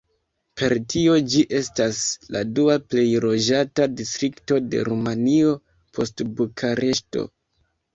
Per tio ĝi estas la dua plej loĝata distrikto de Rumanio, post Bukareŝto.